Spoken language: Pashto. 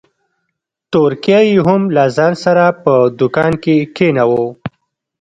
تورکى يې هم له ځان سره په دوکان کښې کښېناوه.